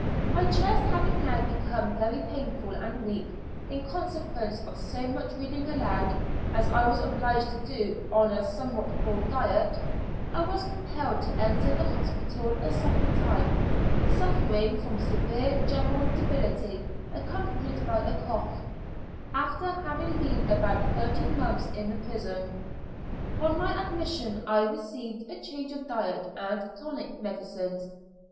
My chest having now become very painful and weak, in consequence of so much reading aloud, as I was obliged to do on a somewhat poor diet, I was compelled to enter the hospital a second time, suffering from severe general debility accompanied by a cough, after having been about thirteen months in the prison. On my admission I received a change of diet and tonic medicines.